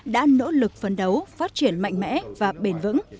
đã nỗ lực phấn đấu phát triển mạnh mẽ và bền vững